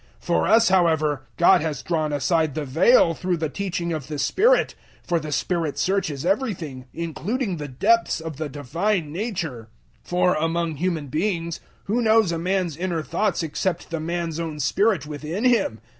002:010 For us, however, God has drawn aside the veil through the teaching of the Spirit; for the Spirit searches everything, including the depths of the divine nature. 002:011 For, among human beings, who knows a man's inner thoughts except the man's own spirit within him?